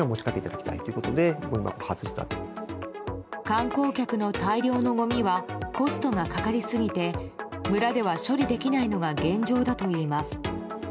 観光客の大量のごみはコストがかかり過ぎて村では処理できないのが現状だといいます。